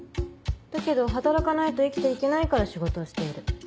だけど働かないと生きて行けないから仕事をしている。